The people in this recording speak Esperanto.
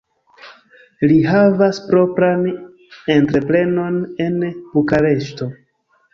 Li havas propran entreprenon en Bukareŝto.